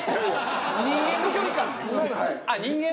人間の距離感ね。